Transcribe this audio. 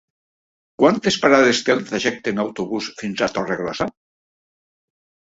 Quantes parades té el trajecte en autobús fins a Torregrossa?